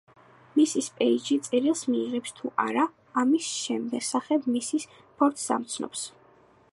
მისის პეიჯი წერილს მიიღებს თუ არა, ამის შესახებ მისის ფორდს ამცნობს.